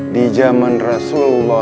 di zaman rasulullah